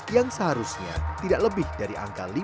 yang seharusnya tidak lebih dari angka lima puluh ekip